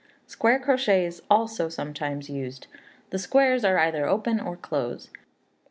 Square crochet is also sometimes used. The squares are either open or close.